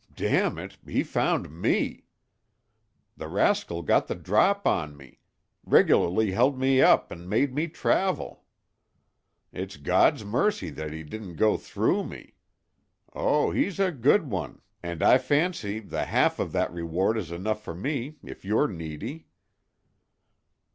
"Damn it! he found me. The rascal got the drop on me—regularly held me up and made me travel. It's God's mercy that he didn't go through me. Oh, he's a good one, and I fancy the half of that reward is enough for me if you're needy."